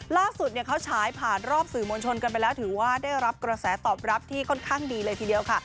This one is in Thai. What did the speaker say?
ล่าสุดเขาฉายผ่านรอบสื่อมวลชนกันไปแล้วถือว่าได้รับกระแสตอบรับที่ค่อนข้างดีเลยทีเดียวค่ะ